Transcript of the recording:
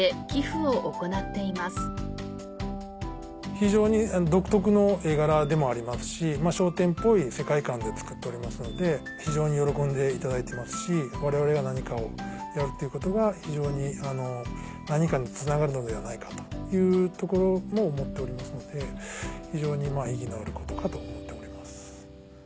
非常に独特の絵柄でもありますし『笑点』っぽい世界観で作っておりますので非常に喜んでいただいてますし我々が何かをやるっていうことが非常に何かにつながるのではないかというところも思っておりますので非常に意義のあることかと思っております。